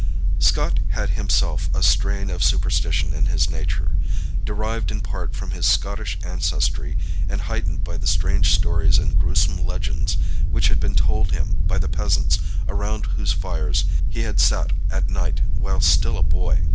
Scott had himself a strain of superstition in his nature, derived in part from his Scottish ancestry and heightened by the strange stories and gruesome legends which had been told him by the peasants around whose fires he had sat at night while still a boy.